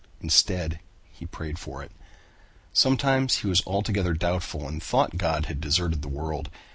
Instead he prayed for it. Sometimes he was altogether doubtful and thought God had deserted the world.